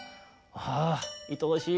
ああいとおしい。